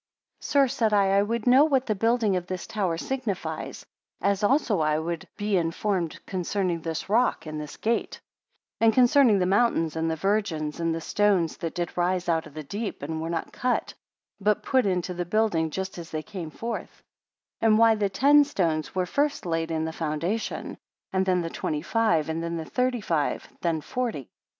43 Sir, said I, I would know what the building of this tower signifies; as also I would be informed concerning this rock, and this gate; 44 And concerning the mountains, and the virgins, and the stones that did rise out of the deep, and were not cut, but put into the building just as they came forth; and why the ten stones were first laid in the foundation; then the twenty five, then thirty five; then forty?